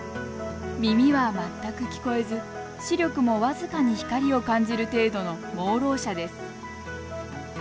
耳は全く聞こえず視力も僅かに光を感じる程度の盲ろう者です。